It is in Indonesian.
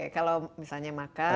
kalau misalnya makan